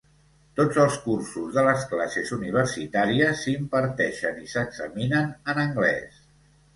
Tots els cursos de les classes universitàries s'imparteixen i s'examinen en anglès.